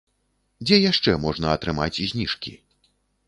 Дзе яшчэ можна атрымаць зніжкі?